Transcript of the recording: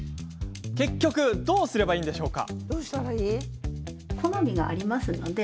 結局どうすればいいのでしょう？